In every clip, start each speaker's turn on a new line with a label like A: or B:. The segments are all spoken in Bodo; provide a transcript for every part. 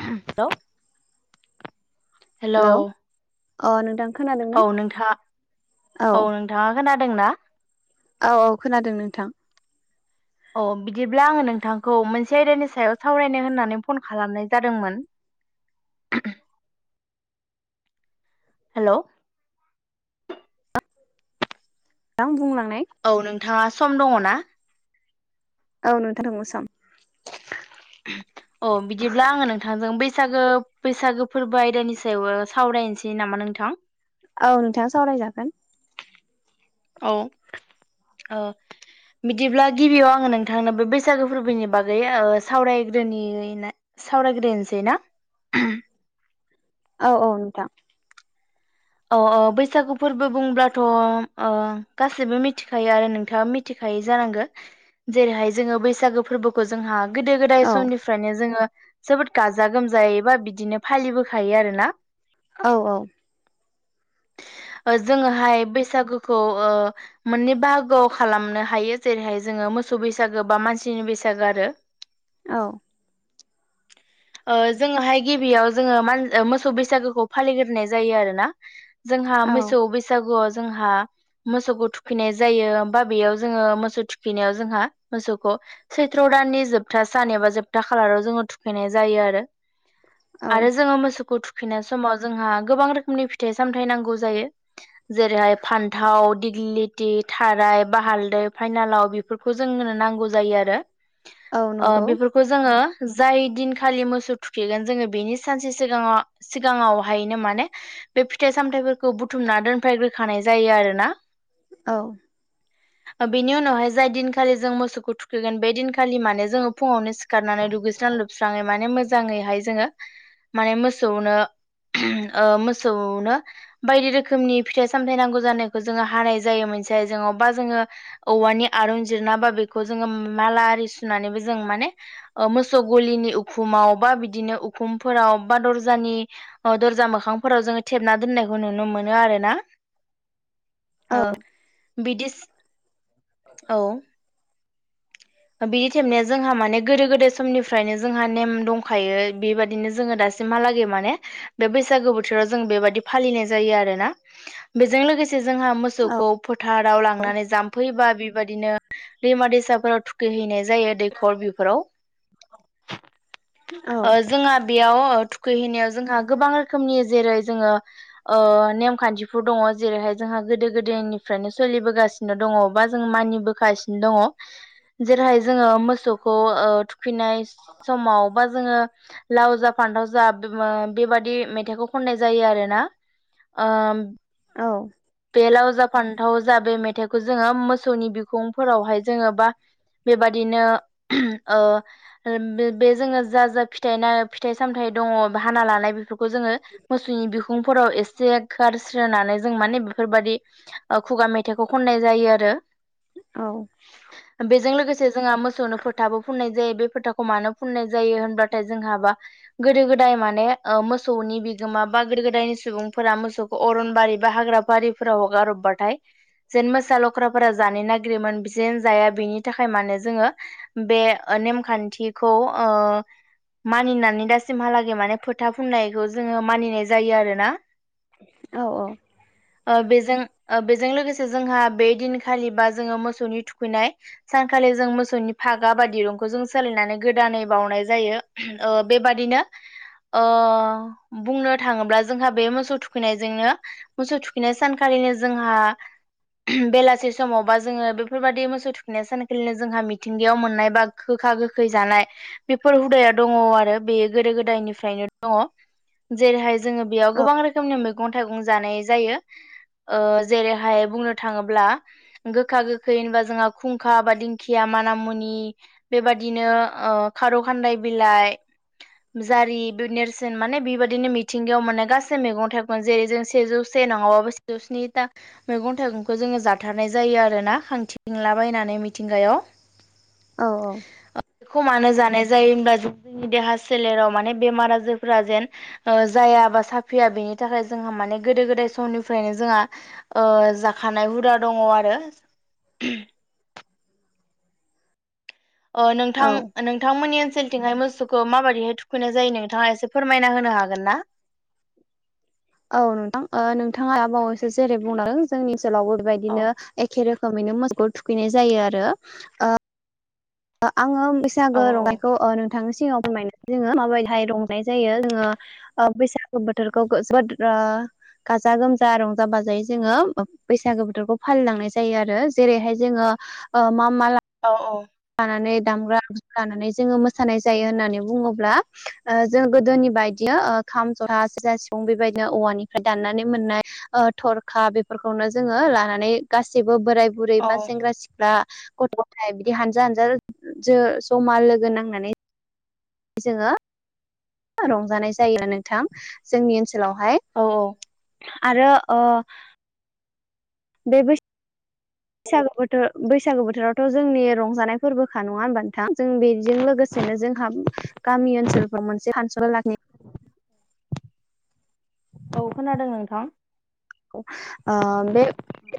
A: हेल हेल
B: हेलौ अ नोंथां खोनादोंना
A: औ नोंथाङा औ नोंथाङा खोनादोंना?
B: औ औ खोनादों नोंथां
A: औ बिदिब्ला आंङो नोंथांखौ मोनसे आयदानि सायाव सावरायनो होननानै फन खालामनाय जादोंमोन। [inaudible] हेल
B: बुंलां
A: औ नोंथांङा सम दंङ ना?
B: औ नोंथां नांगौ स
A: [unintelligible] अ बिदिब्ला आंङो नोंथांजों बैसागो बैसागो फोरबो आयदानि सायाव सावरायनोसै नामा नों नोंथां।
B: औ नोंथांङा सावरायजागोन।
A: औ औ बिदिब्ला गिबियाव आंङो नोंथांनो बे बैसागो फोरबोनि बागै सावरायग्रोनि। सावरायग्रोनोसै ना।
B: औ औ नोंथां
A: औ बैसागु फोरबो बुंब्लाथ ओ गासिबो मिथिखायो आरो नोंथांङा मिथिखायो। गायो जानांगोन जेरैहाय जोंङो बैसागो फोरबोखौ जोंहा गोदो गोदाय
B: औ
A: समनिफ्रायनो जोंङो जोबोद गाजा गोमजायैबा बिदिनो फालिबोखायो आरोना।
B: औ औ
A: [unintelligible] जोङोहाय बैसागुखौ ओ मोननै बाहागोआव खालामनो हायो जेरैहाय जों मोसौ बैसागो बा मानसिनि बैसागो आरो।
B: औ
A: [inaudible] ओ जोङोहाय गिबियाव जोङो मोसौ बैसागोखौ फालिग्रोनाय जायो आरो ना। जोंहा
B: औ
A: मोसौ बैसागुआव जोंहा मोसौबो थुखैनाय जायो। आमफाय बेयाव जोङो मोसौ थुखैनायाव जोंहा मोसौखौ सैथ्र' दाननि जोबथा सान एबा जोबथा खालाराव जोङो थुखैनाय जायो आरो
B: औ
A: आरो जोङो मोसौखौ थुखैनाय समाव जोंहा गोबां रोखोमनि फिथाइ सामथाइ नांगौ जायो जेरैहाय फान्थाव दिग्लिथि थाराय बा हालदै फाइनालाव बेफोरखौ जोंनो नांगौ जायो आरो
B: औ
A: ओ
B: नंगौ
A: बेफोरखौ जोङो जाय दिनखालि मोसौ थुखैगोन जोङो बेनि सानसे सिगाङाव सिगाङावहायनो माने बे फिथाइ सामथायाइफोरखौ बुथुमना दोनफैग्रोखानाय जायो आरोना
B: औ
A: बेनि उनावहाय जाय दिनखालि जों मोसौखौ थुखैगोन बे दिनखालि माने जोङो फुङावनो सि खारनानै दुगैस्रां लोबस्राङै माने मोजां ङैहाय जोङो माने मोसौनो [unintelligible] ओ मो मौसौनो बायदि रोखोमनि फिथाइ सामथाइ नांगौ जानायखौ जोङो हानाय जायो मोनसे आयजेङाव बा जोङो औवानि आरुं जिरना बा बेखौ जोङो माला आरि सुनानैबो जों माने मोसौ गलिनि उखुमाव बा बिदिनो उखुमफोराव बा दरजानि दरजा मोखांफोराव जोङो थेबना दोननायखौ नुनो मोनो आरो ना।
B: औ
A: बिदिस औ बिनि टेमनाया जोंहा माने गोदो गोदाय समनिफ्रायनो जोंहा नेम दंखायो बेबायदिनो जोङो दा सिमहालागै माने बे बैसागु बोथोराव जों बेबायदि फालिनाय जायो आरोना बेजों लोगोसे जोंहा
B: औ
A: मोसौखौ फोथाराव लांनानै जाम्फैबा बेबायदिनो दैमा दैसाफोराव थुखैहैनाय जायो दैखर बेफोराव।
B: औ
A: ओ जोंहा बेयाव थुखैहैनायाव जोंहा गोबां रोखोमनि जेरै- जोङो ओ नेमखान्थिफोर दङ जेरैहाय जोंहा गोदो गोदायनिफ्रायनो सोलिबोगासिनो दङ बा जों मानिबोगासिनो दङ जेरैहाय जोङो मोसौखौ ओ थुखैनाय समाव बा जोङो लाव जा फान्थाव जा बेबादि मेथाइखौ खननाय जायो आरोना ओ
B: औ
A: बे लाव जा फान्थाव जा बे मेथाइखौ जोङो मोसौनि बिखुंफोरावहाय जोङो बा बेबादिनो ओ बे जोङो जा जा फिथाइ फिथाइ सामथाय दङ हाना लानाय बेफोरखौ जोङो मोसौनि बिखुंफोराव एसे खास्रोनानै जों माने बेफोरबायदि खुगा मेथाइखौ खननाय जायो आरो
B: औ
A: बेजों लोगोसे जोंहा मोसौनो फोथाबो फुननाय जायो। बे फोथाखौ मानो फुननाय जायो होनबाथाय जोंहाबा गोदो गोदाय माने ओ मोसौनि बिगोमा बा गोदो गोदायनि सुबुंफोरा मोसौखौ अरनबारि बा हाग्रा बारिफोराव हगार हरबाथाय जेन मोसा लख्राफोरा जानो नागिरयोमोन जेन जाया बेनि थाखाय माने जोङो बे नेमखान्थिखौ ओ मानिनानै दासिमहालागै माने फोथा फुननायखौ जोङो मानिनाय जायो आरोना ओ बेजों बेजों लोगोसे जोंहा बे दिनखालिबा जोङो मोसौनि थुखैनाय सानखालि जों मोसौनि फागा बा दिरुंखौ जों सोलायनानै गोदानै बावनाय जायो ओ बेबादि नो ओ बुंनो थाङोब्ला जोंहा बे मोसौ थुखैनायजोंनो मोसौ थुखैनाय सानखालि नो जोंहा बेलासे समावबा जोङो बेफोरबादि मोसौ थुखैनाय सानखलिनो जोंहा मिथिंगायाव मोननाय बा गोखा गोखै जानाय बेफोर हुदाया दङ आरो बेयो गोदो गोदायनिफ्रायनो दङ जेरैहाय जोङो बेयाव गोबां रोखोमनि मैगं थाइगं जानाय जायो ओ जेरैहाय बुंनो थाङोब्ला गोखा गोखै होनबा जोंहा खुंखा बा दिंखिया माना मुनि बेबादिनो ओ खारौ खान्दाय बिलाइ। जारि बोनेरसोन माने बेबायदिनो मिथिंगायाव मोननाय गासै मैगं थाइगंमोन जेरै जों सेजौसे देनाङावबो सेजौ स्निथा मैगं थाइगंखौ जोङो जाथारनाय जायो आरोना खांथि लाबायनानै मिथिंगायाव
B: औ औ।
A: खौ मानो जानाय जायो होमबा जोंनि देहा सोलेराव माने बेमार आजारफोरा जेन ओ जाया। आबा साफिया बेनि थाखाय जोंहा माने गोदो गोदाय समनिफ्रायनो जोंआ ओ जाखानाय हुदा। दङ आरो। ओ
B: औ
A: नोंथां नोंथांमोननि ओनस। सोनथिंहाय मोसौखौ माबाददिहाय थुखैनाय जायो नोंथाङा एसे फोरमायना होनो हागोन ना। [inaudible]
B: औ नोंथां ओ नोंथाङा दा बावैसो जेरै बुंलादों जोंनि ओनसोलावबो
A: औ
B: बेबायदिनो एखे रोख। टमैनो मोसौखौ थुखैनाय जायो आरो ओ। ओ आङो
A: औ
B: बैसागो रंनायखौ ओ नोंथांनिसिम। सिगाङाव फोरमायनो जोङो माबायदिहाय रंनाय जायो जोङो ओ बैसागो बोथोरखौ गोजोबोद रा। गाजा गोमजा रंजा बाजायै जोङो बैसागो बोथोरखौ फालिलांनाय जायो आरो जेरैहाय जोङो। ओ मा माल।
A: औ औ।
B: नानै दामग्रा [unintelligible] लानानै जोङो मोसानाय जायो होननानै बुङोब्ला ओ जों गोदोनि बायदियो। ओ खाम जथा सेजा सिफुं बेबायदिनो औवानिफ्राय दनानै मोननाय ओ थरखा बेफोरखौनो। जोङो लानानै गासैबो बोराय बुरै
A: औ
B: बा सेंग्रा सिख्ला गथ गथाय बि। हानजा हानजा जो जमा लोगो नांनानै। जोङो ओ रंजानाय जायो नोंथां जोंनि ओनसो। [unintelligible] वहाय
A: औ
B: आरो ओ। बे बैस। फिसागो बोथोर बैसागो बोथोरावथ जोंनि रंजानाय फोरबोखा नङा होनबा नोंथां जों बेजों लोगोसे। हिनो जोंहा गामि ओनसोलफ्राव मोनसे फानसल लाखनि।
A: औ खोनादों नोंथां।
B: ओ बे।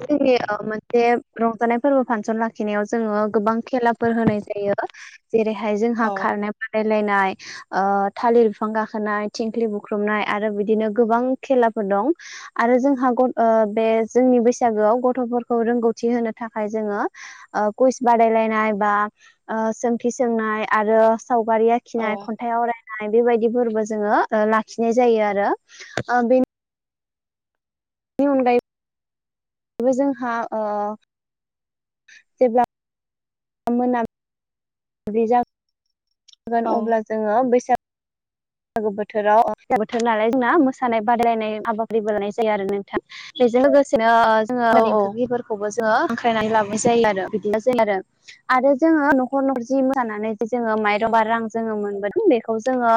B: [unintelligible] जोंिन ओ मोनसे रंजानाय फोरबो फानसन लाखिनायाव जोङो गोबां। खेलाफोर होनाय जायो जेरैहाय जोंहा
A: औ
B: खारनाय बारनाय। लायनाय ओ थालिर बिफां गाखोनाय थिंख्लि बुख्रुबनाय आरो बिदिनो गोबां खेलाफोरखौ। दं आरो जों। थागद ओ बे जोंनि बैसागोआव गथ फोरखौ रोंगौथि होनो थाखाय जोङो ओ कुइस। बादायलायनाय बा ओ सोंथि सोंनाय आरो। सावगारि
A: औ
B: आखिनाय खन्थाइ आवरायनाय बेबायद। बि फोरबो जोङो ओ लाखिनाय जायो आरो ओ बेन। बिउनगायै। बो जोंहा ओ जेब्ला। ओम मोनाम। बिजाग। गोन अब्ला जोङो बैसाग। गु बोथोराव ओ [unintelligible] बोथोर नालाय जोंना मोसानाय बादायलायनाय हाबाफारिबो लानाय जायो आरो नोंथां। [unintelligible] बिजों लोगोसेनो ओ जोङो
A: औ
B: देंखोगिरफोरखौबो। जोंङो हांख्रायनानै लाबनिसै [unintelligible] आरो बिदिनोसै [unintelligible] आरो जोङो नखर नखर जि मोसानानै जोङो।
A: औ
B: मयरबा रां जोङो मोनबोदों बेखौ जोङो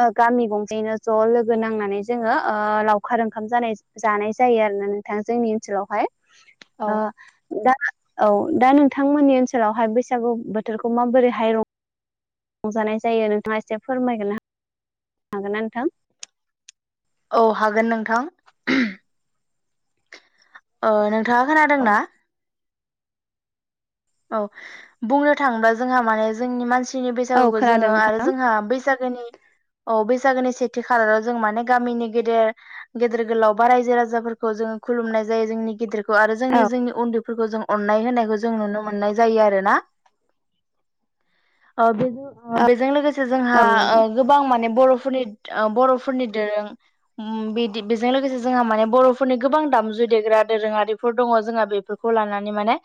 B: ओ गामि गंसेायैनो ज लोगो नांनानै जोङो ओ लावखार ओंखाम जानाय जानाय जायो आरो ना। नोंथां जोंनि ओनसोलावहायल ओ दा औ दा नोंथांमोननि ओनसोलावहाय बैसागु बोथोरखौ माबोरैहाय रङ रंजानाय जायो नोंथाङा एसे फोरमायगोन हागोन ना नोंथां
A: औ हागोन नोंथां अ नोंथाङा
B: औ
A: खोनादोंना औ बुंनो थाङोबा जोंहा माने जोंनि मानसिनि
B: औ
A: बैसागुखौ जोङो
B: खोनादों
A: आरो
B: नोंथां
A: जोंहा बैसा - जोनि औ बैसागोनि सेथि खालाराव जों माने गामिनि गेदेर गेदेर गोलाव बा रायजो राजाफोरखौ जों खुलुमनाय जायो जोंनि गिदिरखौ आरो
B: औ
A: जोंनि जोंनि उन्दैफोरखौ जों अननाय होनायखौ जों नुनो मोनो -नाय जायो आरोना ओ बे
B: औ
A: बेजों लोगोसे जोंहा
B: औ नंगौ नोंथां
A: गोबां माने बर - फोरनि ओ बरफोरनि दोरों बिदि बेजों लोगोसे जोंहा माने बरनिफोरनि गोबां दामजु देग्रा दोरोङारिफोर दङ जोंहा बेफोरखौ लानानै माने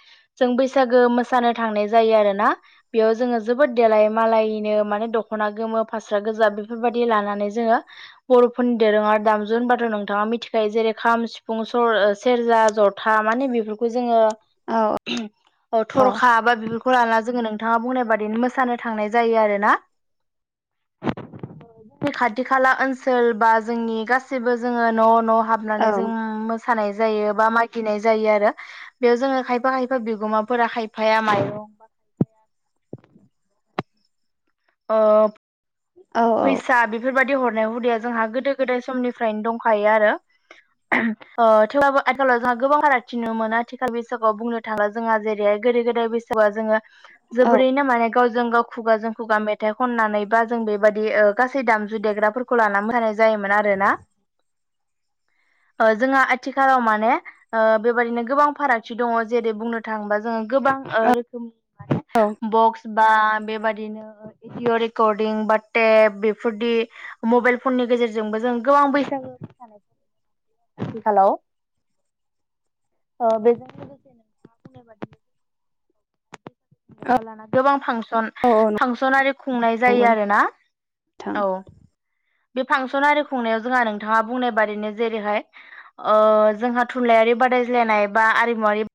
A: जों बैसा - -सागो मोसानो थांनाय जायो आरोना बेयाव जोङो जोबोद देलाय मालायनो माने दखना गो- - मो फास्रा गोजा बेफोरबायदि लानानै जोङो बरफोरनि दोरोङारि दामजुन होनबाथ नोंथाङा मिथिखायो जेरै खाम सिफुं सर सेरजा जथा माने बेफोरखौ जोङो
B: औ
A: अ
B: औ
A: थरखा बा बे -खौ लाना जोङो नोंथाङा बुंनाय बादिनो मोसानो थांनाय जायो आरोना जोंनि खाथि खाला ओनसोल बा जोंनि गासिबो जोङो न न
B: औ
A: हाबनानै जों मो - -सानाय जायो बा मागिनाय जायो आरो बेयाव जोङो खायफा खायफा बिगुमा- -फोर खायफाया माइरं बा खायफाया आ
B: औ
A: फैसा बेफोरबायदि हरनाय हुदाया जोंहा गोदो गोदाय समनिफ्रायनो दंखायो आरो थेवब्लाबो आथिखालाव जोंहा गोबां फारागथि नुनो मोनो आथिखाल बैसागुआव बुंनो थाङोब्ला जोंहा जेरैहाय गोदो -गोदाय बैसागुआ जोङो
B: औ
A: जोबोरैनो माने गावजों गाव खुगाजों खुगा मेथाइ खननानै बा जों बेबा - -दि ओ गासै दामजु देग्राफोरखौ लानानै मोसानाय जायोमोन आरोना जोंहा आथिखालाव माने ओ बेबायदिनो गोबां फारागथि दङ जेरै बुंनो थाङोबा जोङो गोबां ओ रोखोमनि
B: औ
A: माने बक्स बा बेबादिनो भिडिय रेकर्डिं बा टेब बेफोरदि मबाइल फननि गेजेरजोंबो जों गोबां बैसागु मोसानाय हेल आ बेजों लोगोसे नोंथाङा बुंनाय बादि लोबबा लाना गोबां फांसन
B: औ नंगौ
A: फांसन आरि खुंनाय जायो आरो ना
B: थां
A: बे फांसन आरि खुंनायाव जोंहा नोंथाङा बुंनाय बादिनो जेरैहाय ओ जोंहा थुनलाइयारि बा- -रायज्लायनाय बा आरिमुवारि